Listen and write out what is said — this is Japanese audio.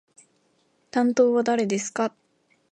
担当は誰ですか？